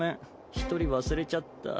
一人忘れちゃった。